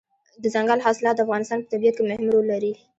دځنګل حاصلات د افغانستان په طبیعت کې مهم رول لري.